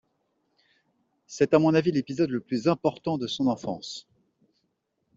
C’est à mon avis l’épisode le plus important de son enfance.